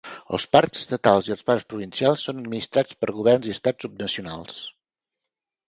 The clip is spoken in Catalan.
Els parcs estatals i els parcs provincials són administrats per governs i estats subnacionals.